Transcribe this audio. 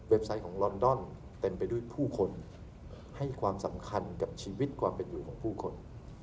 ไซต์ของลอนดอนเต็มไปด้วยผู้คนให้ความสำคัญกับชีวิตความเป็นอยู่ของผู้คน